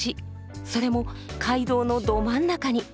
それも街道のど真ん中に。